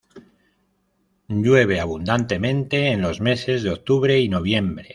Llueve abundantemente en los meses de Octubre y Noviembre.